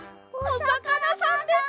おさかなさんだ。